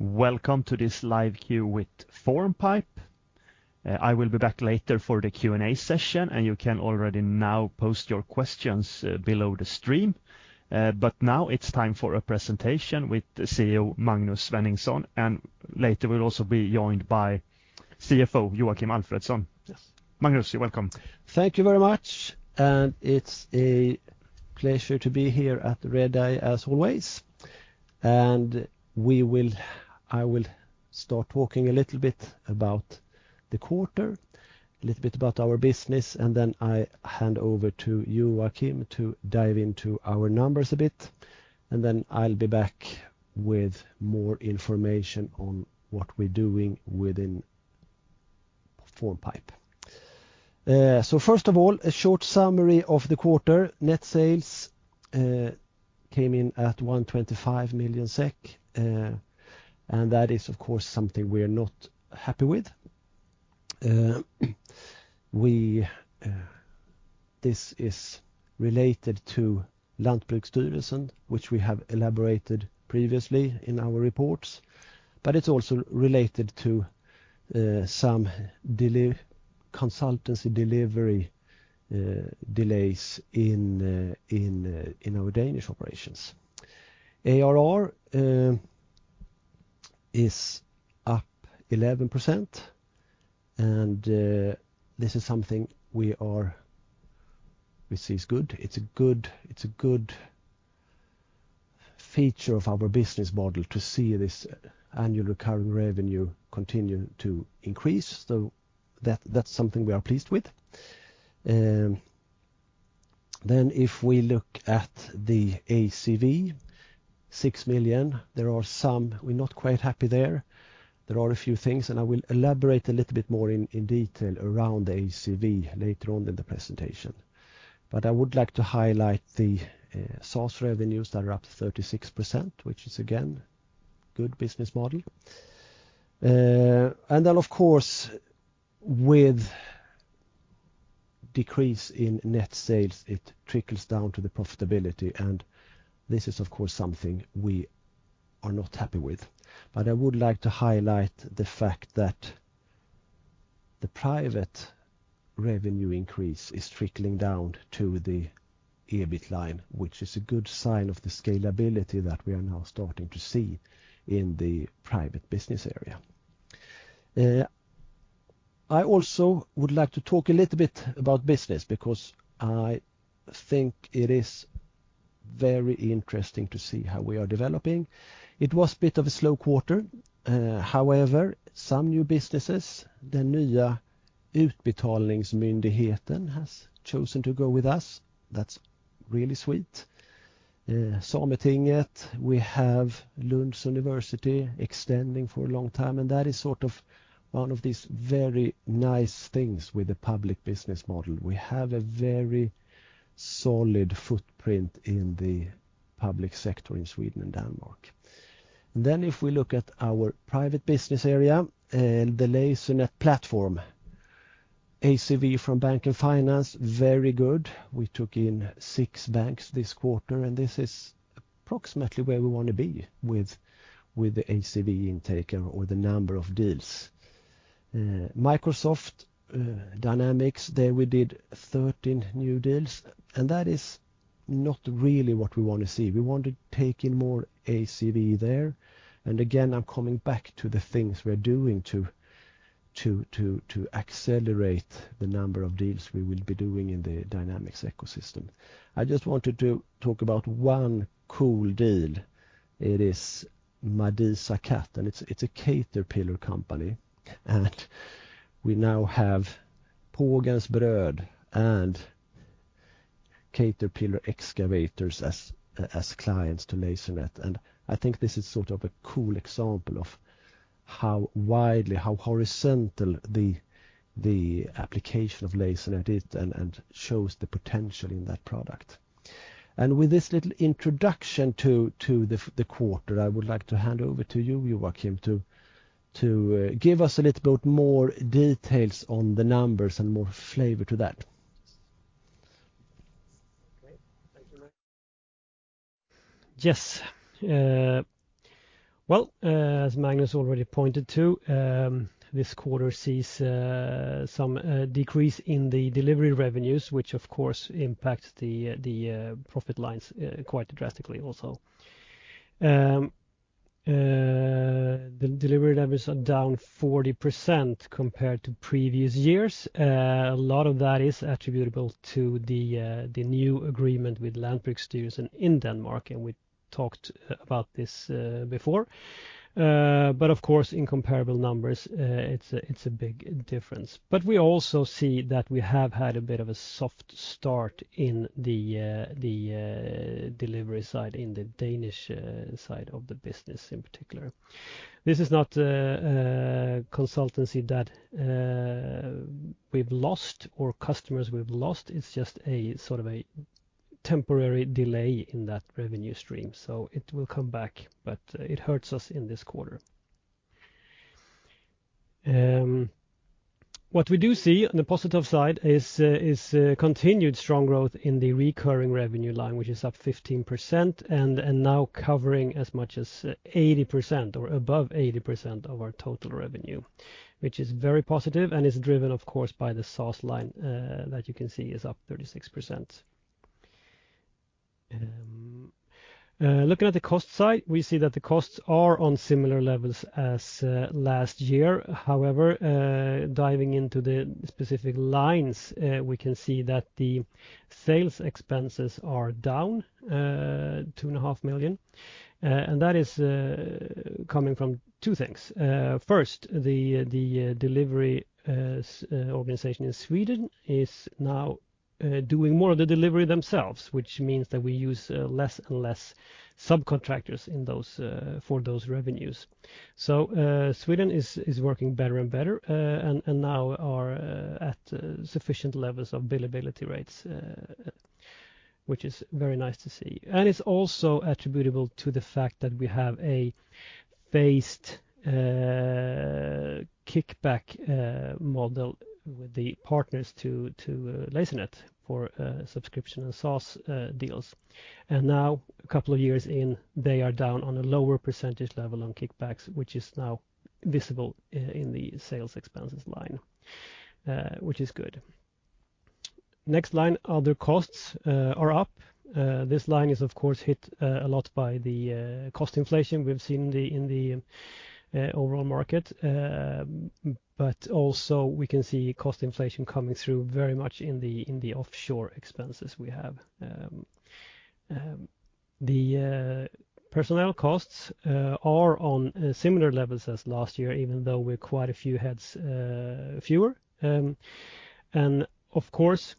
Welcome to this live Q&A with Formpipe. I will be back later for the Q&A session, and you can already now post your questions below the stream. But now it's time for a presentation with CEO Magnus Svenningson, and later we'll also be joined by CFO Joakim Alfredson. Magnus, you're welcome. Thank you very much, and it's a pleasure to be here at Redeye as always. And I will start talking a little bit about the quarter, a little bit about our business, and then I hand over to you, Joakim, to dive into our numbers a bit, and then I'll be back with more information on what we're doing within Formpipe. So first of all, a short summary of the quarter: net sales came in at 125 million SEK, and that is of course something we're not happy with. This is related to Landbrugsstyrelsen, which we have elaborated previously in our reports, but it's also related to some consultancy delivery delays in our Danish operations. ARR is up 11%, and this is something we see is good. It's a good feature of our business model to see this annual recurring revenue continue to increase, so that's something we are pleased with. Then if we look at the ACV, 6 million, there are some we're not quite happy there. There are a few things, and I will elaborate a little bit more in detail around the ACV later on in the presentation, but I would like to highlight the SaaS revenues that are up 36%, which is again a good business model. And then of course, with a decrease in net sales, it trickles down to the profitability, and this is of course something we are not happy with, but I would like to highlight the fact that the private revenue increase is trickling down to the EBIT line, which is a good sign of the scalability that we are now starting to see in the private business area. I also would like to talk a little bit about business because I think it is very interesting to see how we are developing. It was a bit of a slow quarter, however, some new businesses, the new Utbetalningsmyndigheten has chosen to go with us. That's really sweet. Sametinget, we have Lund University extending for a long time, and that is sort of one of these very nice things with the public business model. We have a very solid footprint in the public sector in Sweden and Denmark. Then if we look at our private business area, the Lasernet platform, ACV from Bank & Finance, very good. We took in 6 banks this quarter, and this is approximately where we want to be with the ACV intake or the number of deals. Microsoft Dynamics, there we did 13 new deals, and that is not really what we want to see. We want to take in more ACV there, and again I'm coming back to the things we're doing to accelerate the number of deals we will be doing in the Dynamics ecosystem. I just wanted to talk about one cool deal. It is Madisa, and it's a Caterpillar company, and we now have Pågen and Caterpillar Excavators as clients to Lasernet, and I think this is sort of a cool example of how widely, how horizontal the application of Lasernet is and shows the potential in that product. And with this little introduction to the quarter, I would like to hand over to you, Joakim, to give us a little bit more details on the numbers and more flavor to that. Yes. Well, as Magnus already pointed to, this quarter sees some decrease in the delivery revenues, which of course impacts the profit lines quite drastically also. The delivery levels are down 40% compared to previous years. A lot of that is attributable to the new agreement with Landbrugsstyrelsen in Denmark, and we talked about this before, but of course in comparable numbers it's a big difference. But we also see that we have had a bit of a soft start in the delivery side in the Danish side of the business in particular. This is not consultancy that we've lost or customers we've lost. It's just sort of a temporary delay in that revenue stream, so it will come back, but it hurts us in this quarter. What we do see on the positive side is continued strong growth in the recurring revenue line, which is up 15% and now covering as much as 80% or above 80% of our total revenue, which is very positive and is driven of course by the SaaS line that you can see is up 36%. Looking at the cost side, we see that the costs are on similar levels as last year. However, diving into the specific lines, we can see that the sales expenses are down 2.5 million, and that is coming from two things. First, the delivery organization in Sweden is now doing more of the delivery themselves, which means that we use less and less subcontractors for those revenues. So Sweden is working better and better and now are at sufficient levels of billability rates, which is very nice to see. It's also attributable to the fact that we have a phased kickback model with the partners to Lasernet for subscription and SaaS deals. Now, a couple of years in, they are down on a lower percentage level on kickbacks, which is now visible in the sales expenses line, which is good. Next line, other costs are up. This line is of course hit a lot by the cost inflation we've seen in the overall market, but also we can see cost inflation coming through very much in the offshore expenses we have. The personnel costs are on similar levels as last year, even though we're quite a few heads fewer. And of course,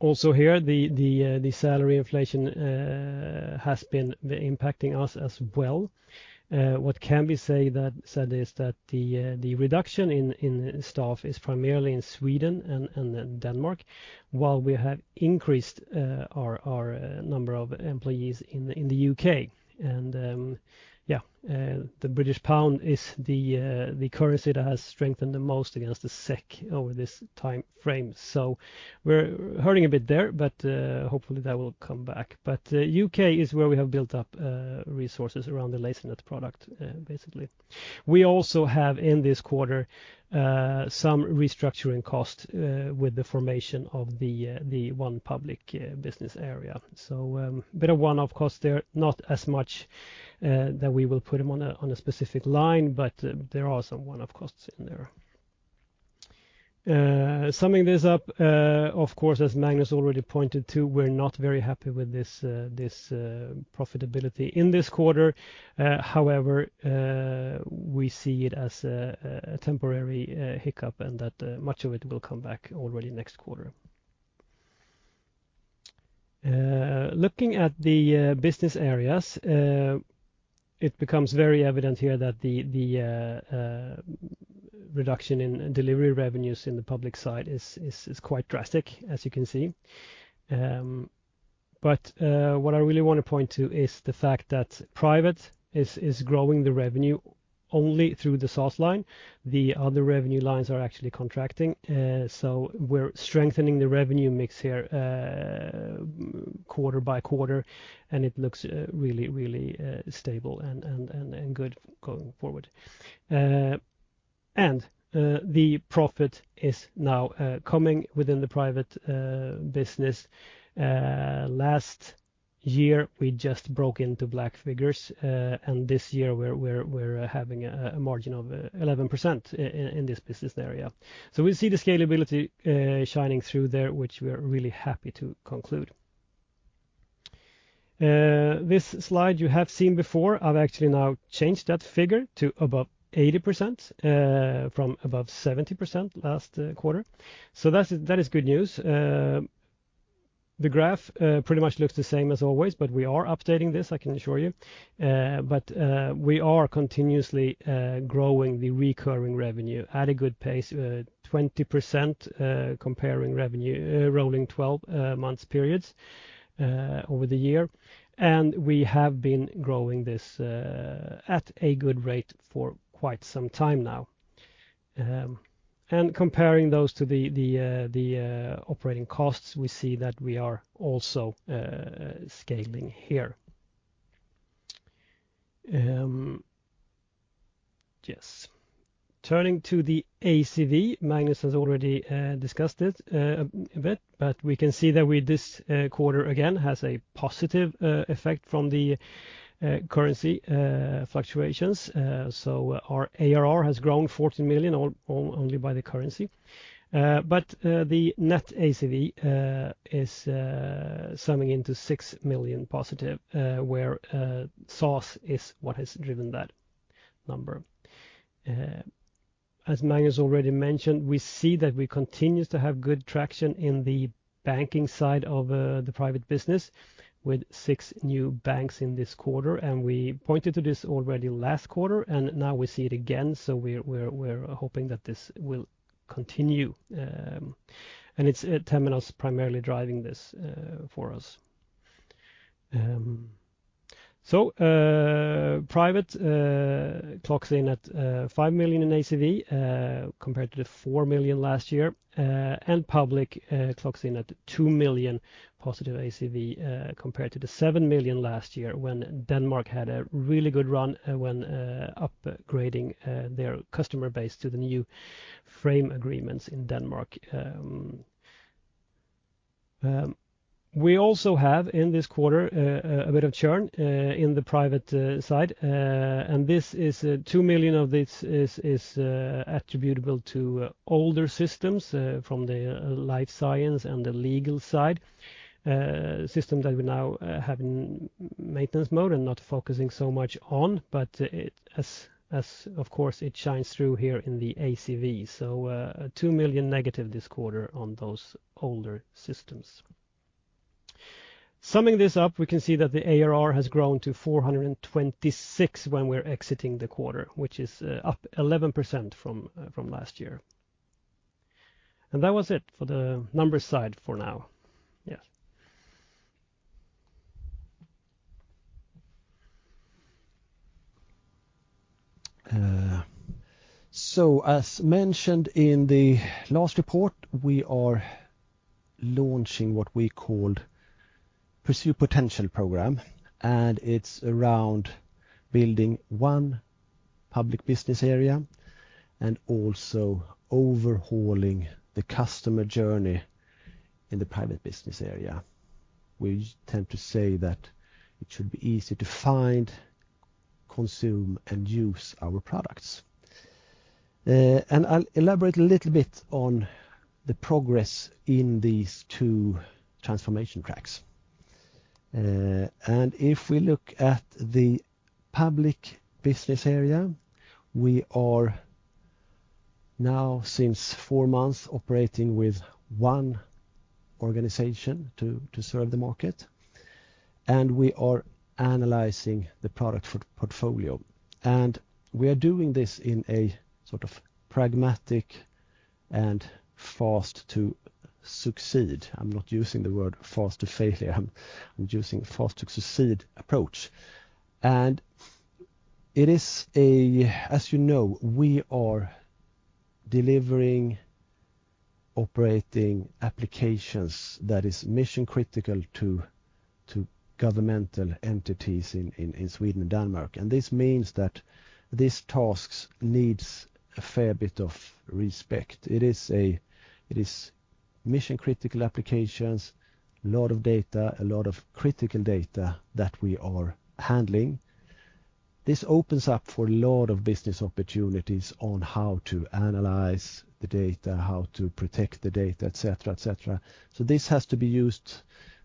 also here, the salary inflation has been impacting us as well. What can be said is that the reduction in staff is primarily in Sweden and Denmark, while we have increased our number of employees in the U.K. Yeah, the British pound is the currency that has strengthened the most against the SEK over this time frame. We're hurting a bit there, but hopefully that will come back. The U.K. is where we have built up resources around the Lasernet product, basically. We also have in this quarter some restructuring costs with the formation of One Public business area. A bit of one-off costs there, not as much that we will put them on a specific line, but there are some one-off costs in there. Summing this up, of course, as Magnus already pointed to, we're not very happy with this profitability in this quarter. However, we see it as a temporary hiccup and that much of it will come back already next quarter. Looking at the business areas, it becomes very evident here that the reduction in delivery revenues in the public side is quite drastic, as you can see. But what I really want to point to is the fact that private is growing the revenue only through the SaaS line. The other revenue lines are actually contracting. So we're strengthening the revenue mix here quarter by quarter, and it looks really, really stable and good going forward. And the profit is now coming within the private business. Last year, we just broke into black figures, and this year we're having a margin of 11% in this business area. So we see the scalability shining through there, which we're really happy to conclude. This slide you have seen before, I've actually now changed that figure to above 80% from above 70% last quarter. So that is good news. The graph pretty much looks the same as always, but we are updating this, I can assure you. But we are continuously growing the recurring revenue at a good pace, 20% comparing revenue, rolling 12-month periods over the year. And we have been growing this at a good rate for quite some time now. And comparing those to the operating costs, we see that we are also scaling here. Yes. Turning to the ACV, Magnus has already discussed it a bit, but we can see that this quarter again has a positive effect from the currency fluctuations. So our ARR has grown 14 million only by the currency. But the net ACV is summing into 6 million positive, where SaaS is what has driven that number. As Magnus already mentioned, we see that we continue to have good traction in the banking side of the private business with 6 new banks in this quarter. And we pointed to this already last quarter, and now we see it again, so we're hoping that this will continue. And it's Temenos primarily driving this for us. So private clocks in at 5 million in ACV compared to the 4 million last year, and public clocks in at 2 million positive ACV compared to the 7 million last year when Denmark had a really good run when upgrading their customer base to the new frame agreements in Denmark. We also have in this quarter a bit of churn in the private side, and this is 2 million of this is attributable to older systems from the life science and the legal side, systems that we now have in maintenance mode and not focusing so much on, but as of course it shines through here in the ACV. So 2 million negative this quarter on those older systems. Summing this up, we can see that the ARR has grown to 426 when we're exiting the quarter, which is up 11% from last year. That was it for the numbers side for now. Yes. So as mentioned in the last report, we are launching what we called the Pursue Potential Program, and it's around One Public business area and also overhauling the customer journey in the private business area. We tend to say that it should be easy to find, consume, and use our products. I'll elaborate a little bit on the progress in these two transformation tracks. If we look at the public business area, we are now, since four months, operating with one organization to serve the market, and we are analyzing the product portfolio. We are doing this in a sort of pragmatic and fast-to-succeed, I'm not using the word fast-to-failure, I'm using fast-to-succeed approach. It is a, as you know, we are delivering, operating applications that are mission-critical to governmental entities in Sweden and Denmark. This means that these tasks need a fair bit of respect. It is mission-critical applications, a lot of data, a lot of critical data that we are handling. This opens up for a lot of business opportunities on how to analyze the data, how to protect the data, etc., etc. So this has to be used,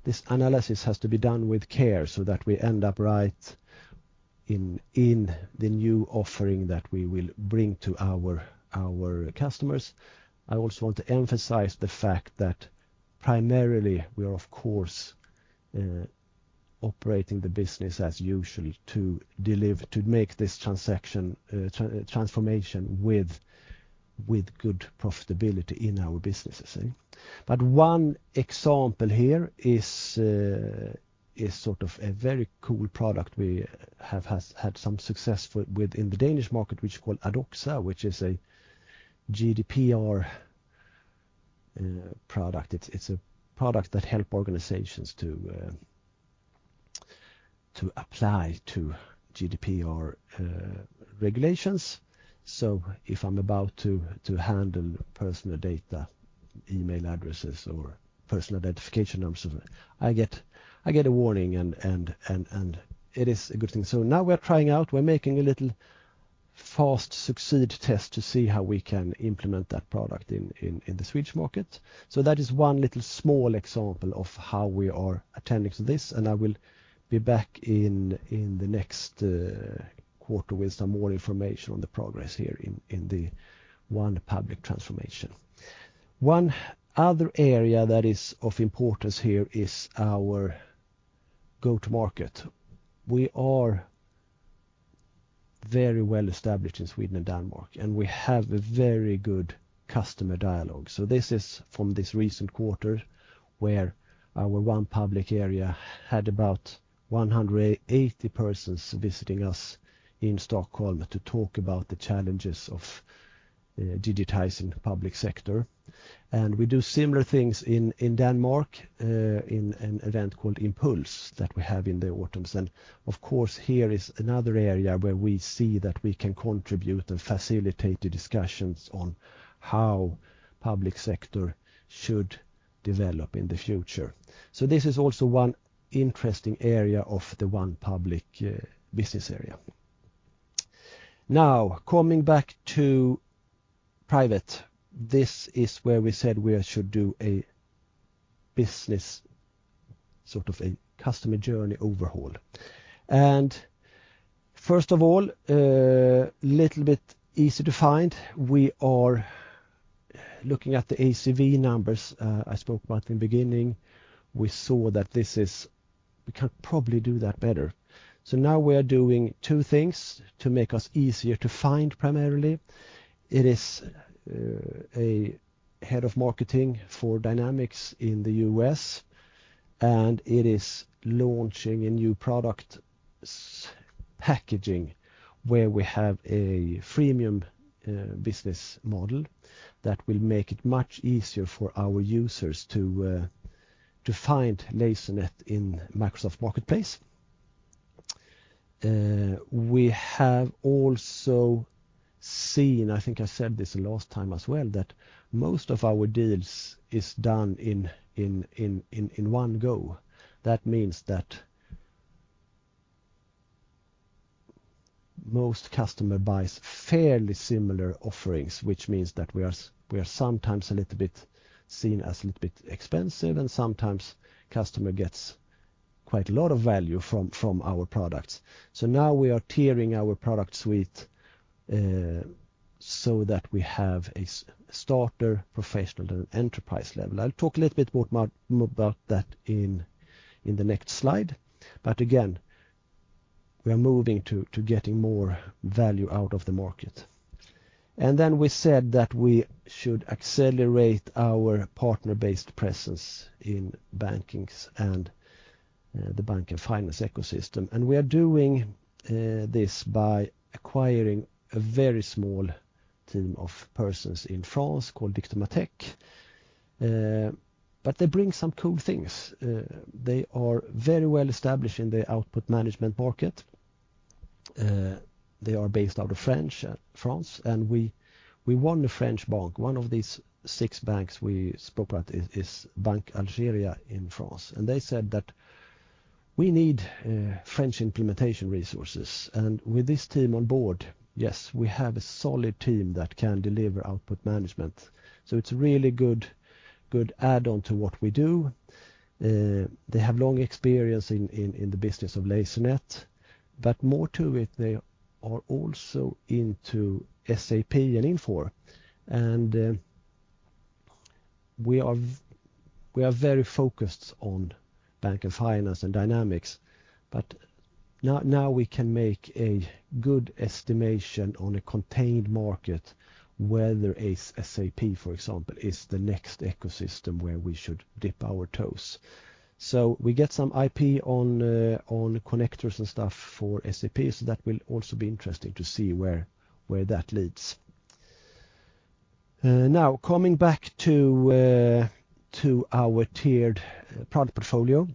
this analysis has to be done with care so that we end up right in the new offering that we will bring to our customers. I also want to emphasize the fact that primarily we are, of course, operating the business as usual to deliver, to make this transformation with good profitability in our businesses. But one example here is sort of a very cool product we have had some success with in the Danish market, which is called Adoxa, which is a GDPR product. It's a product that helps organizations to apply to GDPR regulations. So if I'm about to handle personal data, email addresses, or personal identification numbers, I get a warning, and it is a good thing. So now we're trying out, we're making a little fast-succeed test to see how we can implement that product in the Swedish market. So that is one little small example of how we are attending to this, and I will be back in the next quarter with some more information on the progress here in One Public transformation. One other area that is of importance here is our go-to-market. We are very well established in Sweden and Denmark, and we have a very good customer dialogue. So this is from this recent quarter where One Public area had about 180 persons visiting us in Stockholm to talk about the challenges of digitizing the public sector. And we do similar things in Denmark in an event called Impuls that we have in the autumns. And of course, here is another area where we see that we can contribute and facilitate the discussions on how the public sector should develop in the future. So this is also one interesting area of One Public business area. Now, coming back to private, this is where we said we should do a business sort of a customer journey overhaul. And first of all, a little bit easy to find, we are looking at the ACV numbers I spoke about in the beginning. We saw that this is. We can probably do that better. So now we are doing two things to make us easier to find primarily. It is a head of marketing for Dynamics in the U.S., and it is launching a new product packaging where we have a freemium business model that will make it much easier for our users to find Lasernet in Microsoft Marketplace. We have also seen, I think I said this the last time as well, that most of our deals are done in one go. That means that most customers buy fairly similar offerings, which means that we are sometimes a little bit seen as a little bit expensive, and sometimes the customer gets quite a lot of value from our products. So now we are tiering our product suite so that we have a Starter Professional and an Enterprise level. I'll talk a little bit more about that in the next slide. But again, we are moving to getting more value out of the market. And then we said that we should accelerate our partner-based presence in banking and the bank and finance ecosystem. And we are doing this by acquiring a very small team of persons in France called Dictymatec. But they bring some cool things. They are very well established in the output management market. They are based out of France, and we won the French bank. One of these six banks we spoke about is Banque d'Algérie in France, and they said that we need French implementation resources. And with this team on board, yes, we have a solid team that can deliver output management. So it's a really good add-on to what we do. They have long experience in the business of Lasernet, but more to it, they are also into SAP and Infor. We are very focused on bank and finance and Dynamics, but now we can make a good estimation on a contained market whether SAP, for example, is the next ecosystem where we should dip our toes. So we get some IP on connectors and stuff for SAP, so that will also be interesting to see where that leads. Now, coming back to our tiered product portfolio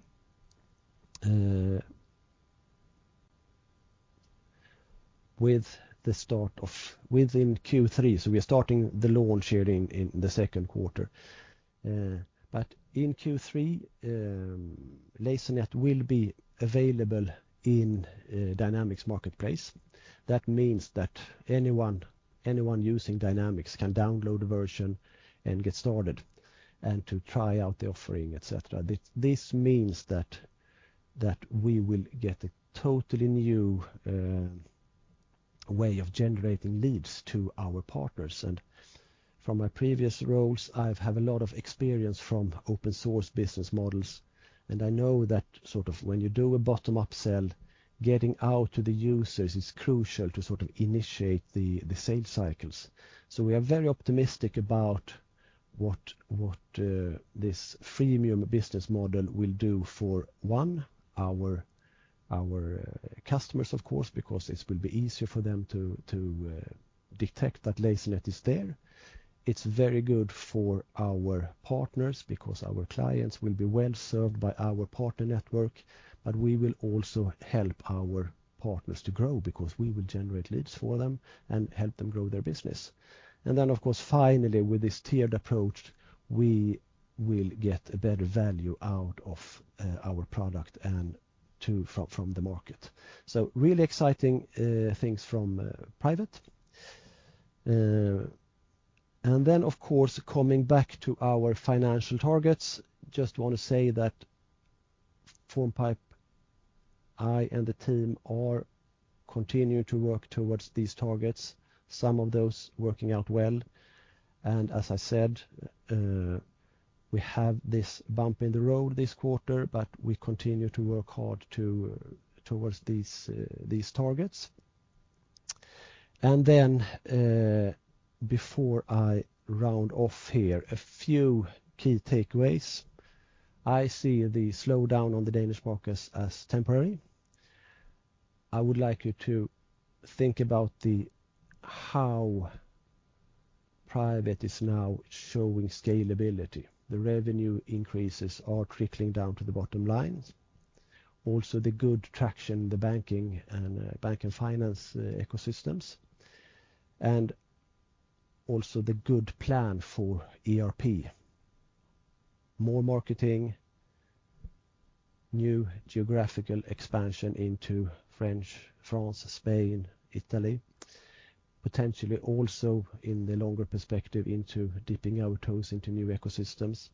with the start of within Q3, so we are starting the launch here in the second quarter. But in Q3, Lasernet will be available in Dynamics Marketplace. That means that anyone using Dynamics can download a version and get started and to try out the offering, etc. This means that we will get a totally new way of generating leads to our partners. And from my previous roles, I have a lot of experience from open-source business models, and I know that sort of when you do a bottom-up sell, getting out to the users is crucial to sort of initiate the sales cycles. So we are very optimistic about what this freemium business model will do for, one, our customers, of course, because it will be easier for them to detect that Lasernet is there. It's very good for our partners because our clients will be well served by our partner network, but we will also help our partners to grow because we will generate leads for them and help them grow their business. And then, of course, finally, with this tiered approach, we will get a better value out of our product and from the market. So really exciting things from private. And then, of course, coming back to our financial targets, I just want to say that Formpipe, I, and the team are continuing to work towards these targets, some of those working out well. And as I said, we have this bump in the road this quarter, but we continue to work hard towards these targets. And then, before I round off here, a few key takeaways. I see the slowdown on the Danish market as temporary. I would like you to think about how private is now showing scalability. The revenue increases are trickling down to the bottom lines. Also, the good traction in the banking and bank and finance ecosystems, and also the good plan for ERP. More marketing, new geographical expansion into France, Spain, Italy, potentially also in the longer perspective into dipping our toes into new ecosystems.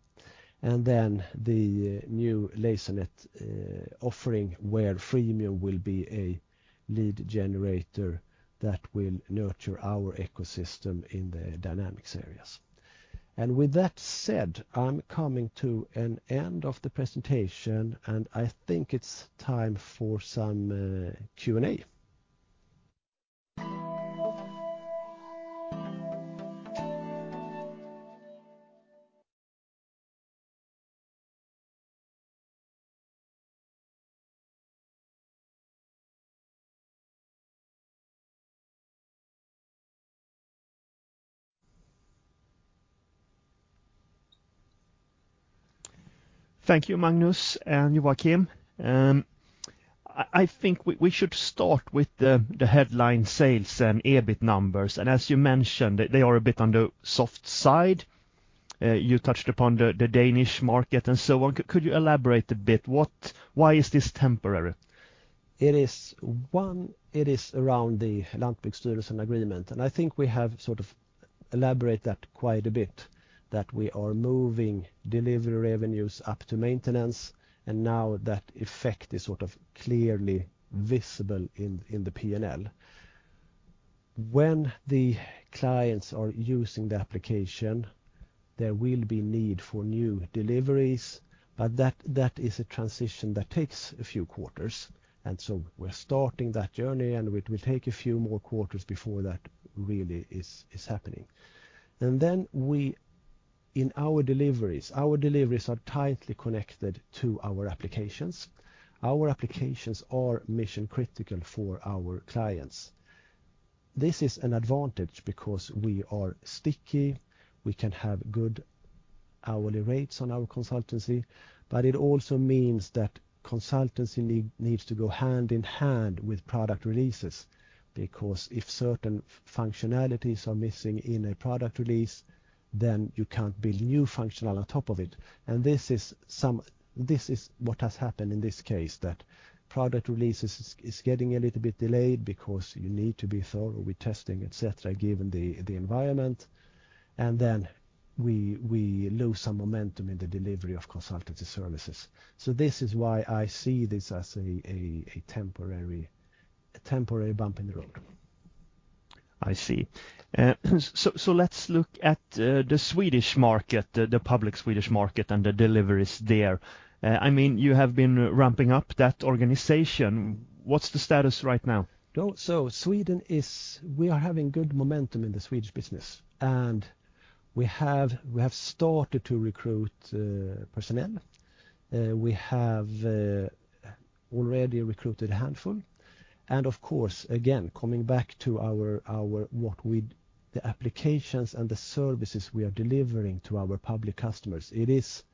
And then the new Lasernet offering where freemium will be a lead generator that will nurture our ecosystem in the Dynamics areas. And with that said, I'm coming to an end of the presentation, and I think it's time for some Q&A. Thank you, Magnus and Joakim. I think we should start with the headline sales and EBIT numbers, and as you mentioned, they are a bit on the soft side. You touched upon the Danish market and so on. Could you elaborate a bit? Why is this temporary? It is around the Landbrugsstyrelsen agreement, and I think we have sort of elaborated that quite a bit, that we are moving delivery revenues up to maintenance, and now that effect is sort of clearly visible in the P&L. When the clients are using the application, there will be need for new deliveries, but that is a transition that takes a few quarters. So we're starting that journey, and it will take a few more quarters before that really is happening. Then we, in our deliveries, our deliveries are tightly connected to our applications. Our applications are mission-critical for our clients. This is an advantage because we are sticky, we can have good hourly rates on our consultancy, but it also means that consultancy needs to go hand in hand with product releases. Because if certain functionalities are missing in a product release, then you can't build new functionality on top of it. This is what has happened in this case, that product releases are getting a little bit delayed because you need to be thorough with testing, etc., given the environment. Then we lose some momentum in the delivery of consultancy services. This is why I see this as a temporary bump in the road. I see. Let's look at the Swedish market, the public Swedish market, and the deliveries there. I mean, you have been ramping up that organization. What's the status right now? So Sweden is; we are having good momentum in the Swedish business, and we have started to recruit personnel. We have already recruited a handful. And of course, again, coming back to what we, the applications and the services we are delivering to our public customers, it is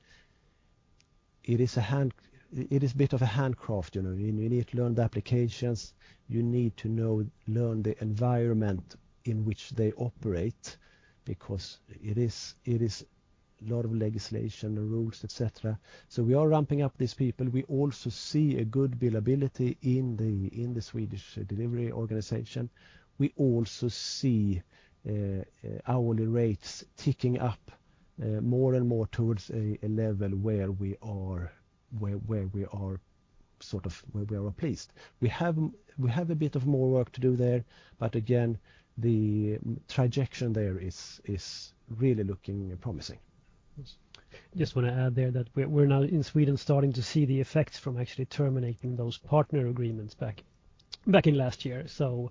a bit of a handcraft, you know. You need to learn the applications, you need to learn the environment in which they operate because it is a lot of legislation and rules, etc. So we are ramping up these people. We also see a good billability in the Swedish delivery organization. We also see hourly rates ticking up more and more towards a level where we are sort of where we are pleased. We have a bit of more work to do there, but again, the trajectory there is really looking promising. I just want to add there that we're now in Sweden starting to see the effects from actually terminating those partner agreements back in last year. So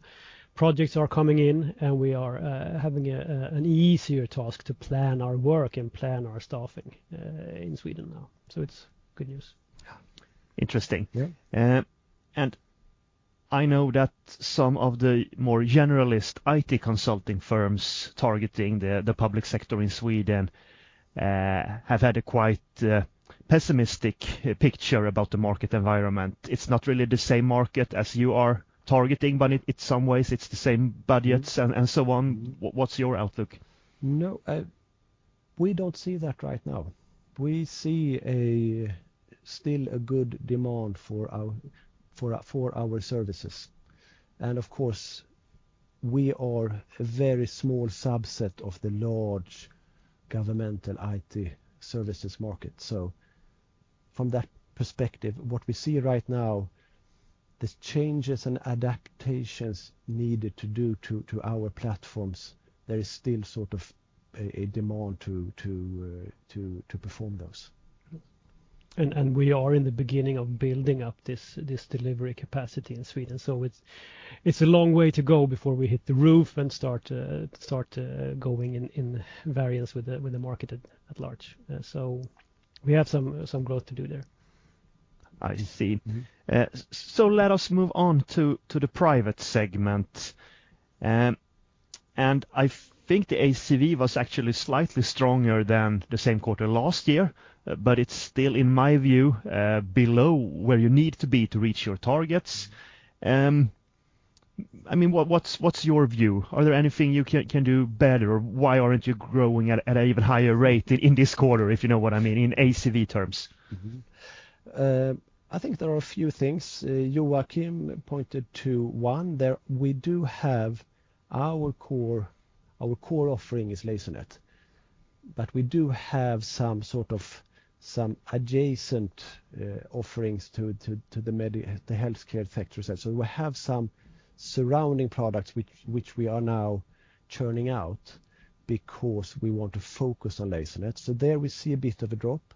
projects are coming in, and we are having an easier task to plan our work and plan our staffing in Sweden now. So it's good news. Yeah, interesting. I know that some of the more generalist IT consulting firms targeting the public sector in Sweden have had a quite pessimistic picture about the market environment. It's not really the same market as you are targeting, but in some ways it's the same budgets and so on. What's your outlook? No, we don't see that right now. We see still a good demand for our services. And of course, we are a very small subset of the large governmental IT services market. So from that perspective, what we see right now, the changes and adaptations needed to do to our platforms, there is still sort of a demand to perform those. We are in the beginning of building up this delivery capacity in Sweden. It's a long way to go before we hit the roof and start going in variants with the market at large. We have some growth to do there. I see. Let us move on to the private segment. I think the ACV was actually slightly stronger than the same quarter last year, but it's still, in my view, below where you need to be to reach your targets. I mean, what's your view? Are there anything you can do better, or why aren't you growing at an even higher rate in this quarter, if you know what I mean, in ACV terms? I think there are a few things. Joakim pointed to one. We do have our core offering is Lasernet, but we do have some sort of adjacent offerings to the healthcare sector. So we have some surrounding products which we are now churning out because we want to focus on Lasernet. So there we see a bit of a drop.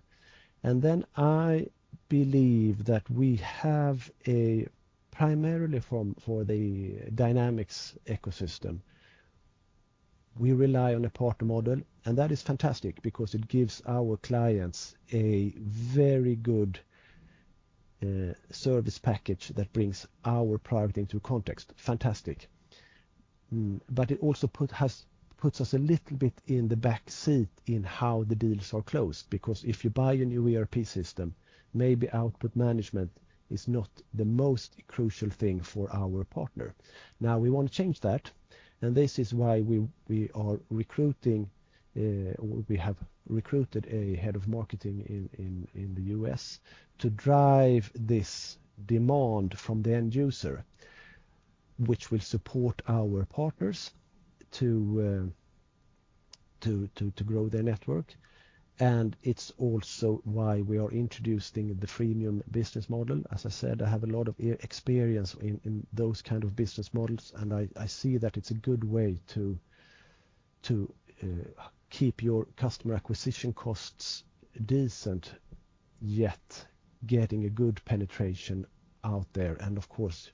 And then I believe that we have a primarily for the Dynamics ecosystem, we rely on a partner model, and that is fantastic because it gives our clients a very good service package that brings our product into context. Fantastic. But it also puts us a little bit in the backseat in how the deals are closed because if you buy a new ERP system, maybe output management is not the most crucial thing for our partner. Now, we want to change that, and this is why we are recruiting or we have recruited a head of marketing in the U.S. to drive this demand from the end user, which will support our partners to grow their network. And it's also why we are introducing the freemium business model. As I said, I have a lot of experience in those kinds of business models, and I see that it's a good way to keep your customer acquisition costs decent, yet getting a good penetration out there. And of course,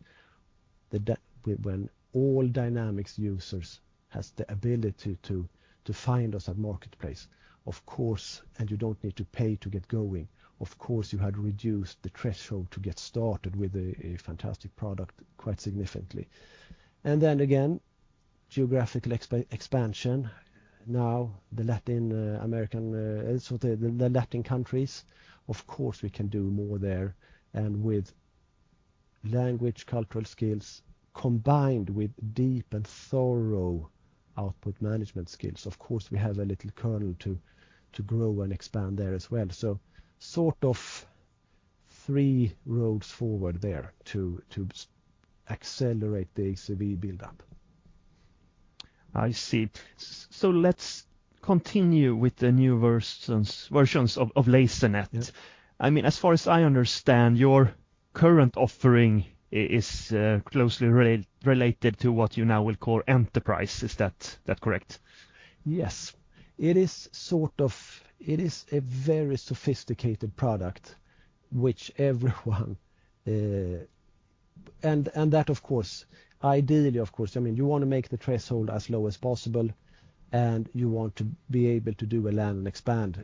when all Dynamics users have the ability to find us at Marketplace, of course, and you don't need to pay to get going, of course, you had reduced the threshold to get started with a fantastic product quite significantly. And then again, geographical expansion. Now, the Latin American countries, of course, we can do more there. And with language, cultural skills combined with deep and thorough output management skills, of course, we have a little kernel to grow and expand there as well. So sort of three roads forward there to accelerate the ACV buildup. I see. So let's continue with the new versions of Lasernet. I mean, as far as I understand, your current offering is closely related to what you now will call enterprise. Is that correct? Yes. It is sort of a very sophisticated product, which everyone and that, of course, ideally, of course, I mean, you want to make the threshold as low as possible, and you want to be able to do a land and expand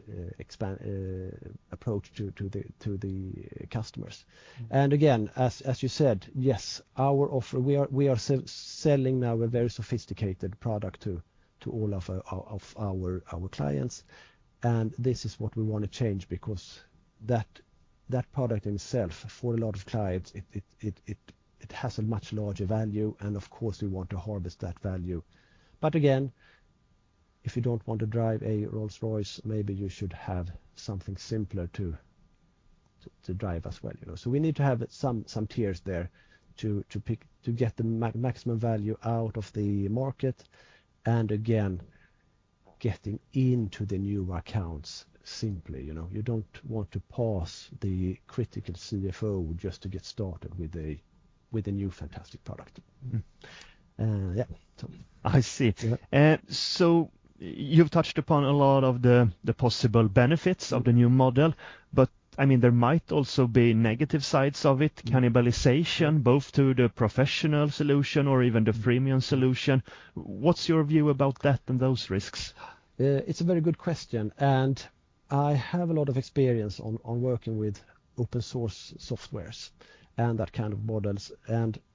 approach to the customers. And again, as you said, yes, we are selling now a very sophisticated product to all of our clients. And this is what we want to change because that product in itself, for a lot of clients, it has a much larger value. And of course, we want to harvest that value. But again, if you don't want to drive a Rolls-Royce, maybe you should have something simpler to drive as well. So we need to have some tiers there to get the maximum value out of the market. And again, getting into the new accounts simply. You don't want to pass the critical CFO just to get started with a new fantastic product. Yeah. I see. So you've touched upon a lot of the possible benefits of the new model, but I mean, there might also be negative sides of it, cannibalization, both to the professional solution or even the freemium solution. What's your view about that and those risks? It's a very good question. I have a lot of experience on working with open-source softwares and that kind of models.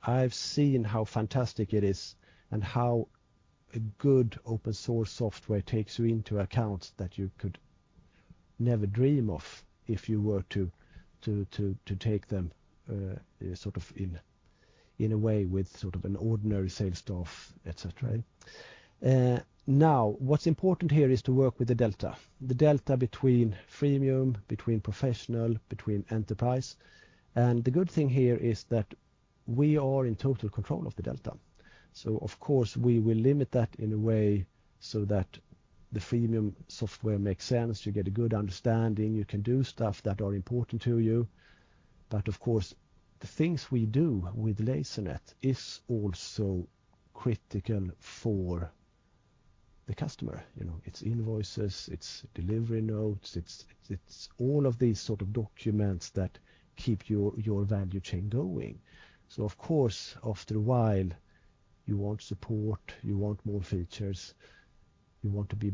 I've seen how fantastic it is and how good open-source software takes you into accounts that you could never dream of if you were to take them sort of in a way with sort of an ordinary sales staff, etc. Now, what's important here is to work with the delta, the delta between freemium, between professional, between enterprise. The good thing here is that we are in total control of the delta. So of course, we will limit that in a way so that the freemium software makes sense. You get a good understanding. You can do stuff that are important to you. But of course, the things we do with Lasernet are also critical for the customer. It's invoices, it's delivery notes, it's all of these sort of documents that keep your value chain going. So of course, after a while, you want support, you want more features, you want to be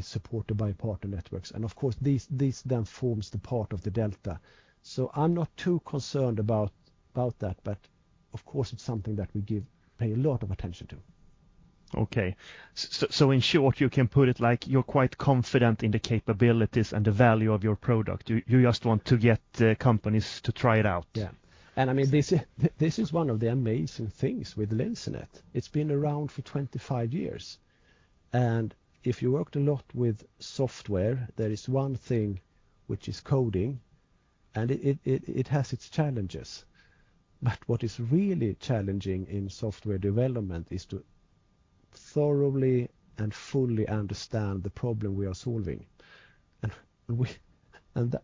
supported by partner networks. And of course, this then forms the part of the delta. So I'm not too concerned about that, but of course, it's something that we pay a lot of attention to. Okay. In short, you can put it like you're quite confident in the capabilities and the value of your product. You just want to get companies to try it out. Yeah. And I mean, this is one of the amazing things with Lasernet. It's been around for 25 years. And if you worked a lot with software, there is one thing which is coding, and it has its challenges. But what is really challenging in software development is to thoroughly and fully understand the problem we are solving. And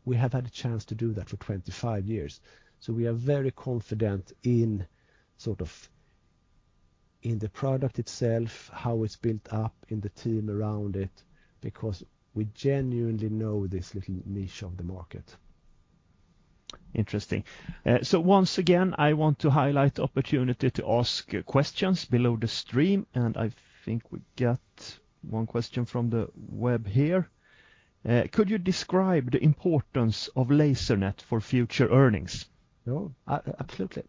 we have had a chance to do that for 25 years. So we are very confident in sort of the product itself, how it's built up, in the team around it, because we genuinely know this little niche of the market. Interesting. Once again, I want to highlight the opportunity to ask questions below the stream, and I think we got one question from the web here. Could you describe the importance of Lasernet for future earnings? Oh, absolutely.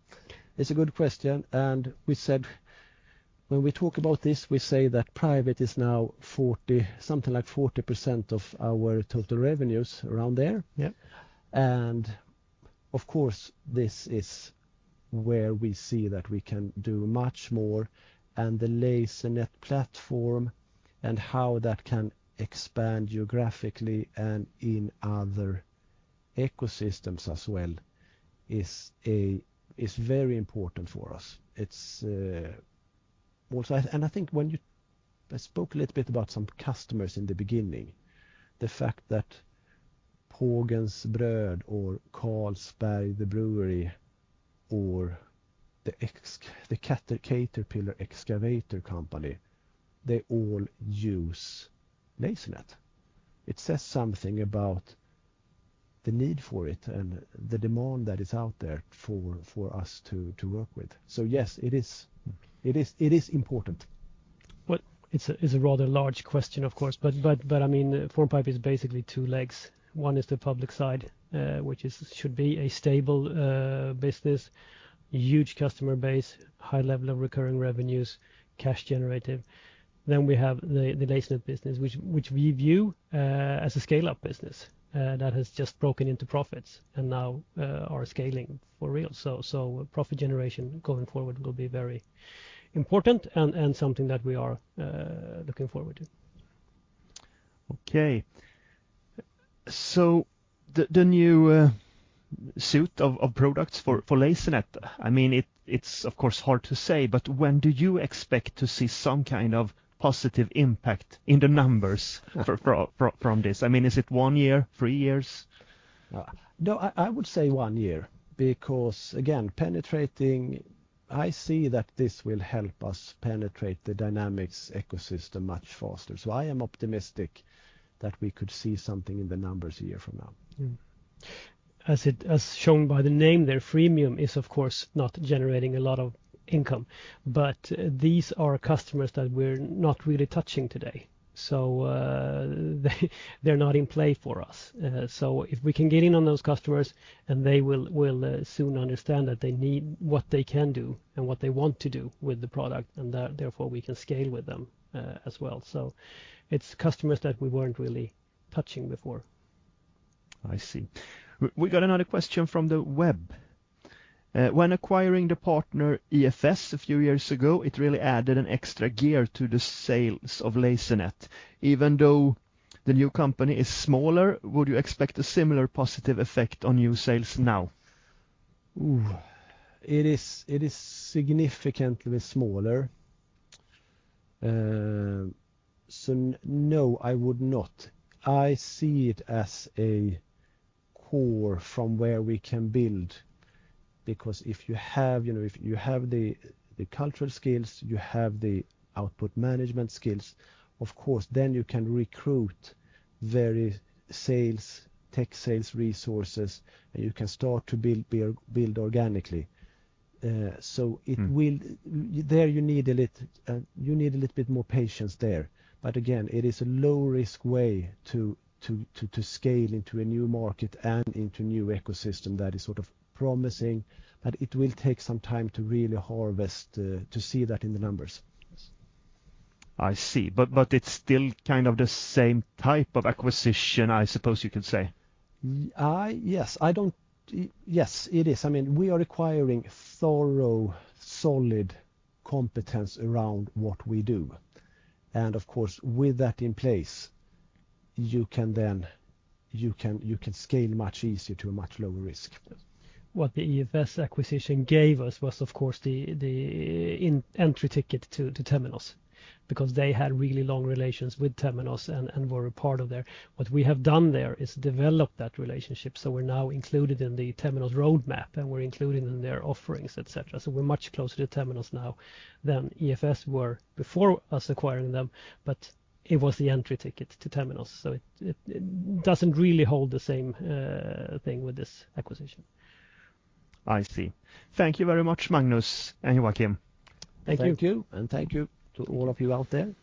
It's a good question. And when we talk about this, we say that private is now something like 40% of our total revenues, around there. And of course, this is where we see that we can do much more. And the Lasernet platform and how that can expand geographically and in other ecosystems as well is very important for us. And I think when I spoke a little bit about some customers in the beginning, the fact that Pågen or Carlsberg, the brewery, or the Caterpillar, the excavator company, they all use Lasernet. It says something about the need for it and the demand that is out there for us to work with. So yes, it is important. Well, it's a rather large question, of course. But I mean, Formpipe is basically two legs. One is the public side, which should be a stable business, huge customer base, high level of recurring revenues, cash generative. Then we have the Lasernet business, which we view as a scale-up business that has just broken into profits and now are scaling for real. So profit generation going forward will be very important and something that we are looking forward to. Okay. So the new suite of products for Lasernet, I mean, of course, hard to say, but when do you expect to see some kind of positive impact in the numbers from this? I mean, is it one year, three years? No, I would say one year because, again, penetrating. I see that this will help us penetrate the Dynamics ecosystem much faster. So I am optimistic that we could see something in the numbers a year from now. As shown by the name there, freemium is, of course, not generating a lot of income. But these are customers that we're not really touching today. So they're not in play for us. So if we can get in on those customers and they will soon understand that they need what they can do and what they want to do with the product, and therefore we can scale with them as well. So it's customers that we weren't really touching before. I see. We got another question from the web. When acquiring the partner EFS a few years ago, it really added an extra gear to the sales of Lasernet. Even though the new company is smaller, would you expect a similar positive effect on new sales now? It is significantly smaller. So no, I would not. I see it as a core from where we can build because if you have the cultural skills, you have the output management skills, of course, then you can recruit very tech sales resources and you can start to build organically. So there you need a little bit more patience there. But again, it is a low-risk way to scale into a new market and into a new ecosystem that is sort of promising. But it will take some time to really harvest, to see that in the numbers. I see. But it's still kind of the same type of acquisition, I suppose you could say. Yes, yes, it is. I mean, we are acquiring thorough, solid competence around what we do. And of course, with that in place, you can scale much easier to a much lower risk. What the EFS acquisition gave us was, of course, the entry ticket to Temenos because they had really long relations with Temenos and were a part of their. What we have done there is develop that relationship. So we're now included in the Temenos roadmap and we're included in their offerings, etc. So we're much closer to Temenos now than EFS were before us acquiring them. But it was the entry ticket to Temenos. So it doesn't really hold the same thing with this acquisition. I see. Thank you very much, Magnus and Joakim. Thank you. Thank you to all of you out there.